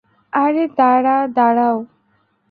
আরে, দাঁড়া, দাঁড়াও।